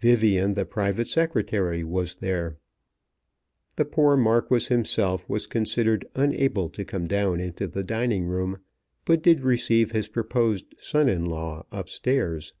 Vivian, the Private Secretary, was there. The poor Marquis himself was considered unable to come down into the dining room, but did receive his proposed son in law up stairs.